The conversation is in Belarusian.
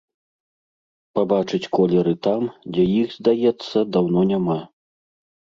Пабачыць колеры там, дзе іх, здаецца, даўно няма.